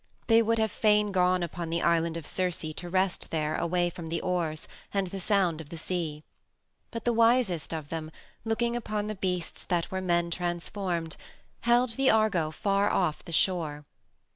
They would have fain gone upon the island of Circe to rest there away from the oars and the sound of the sea. But the wisest of them, looking upon the beasts that were men transformed, held the Argo far off the shore.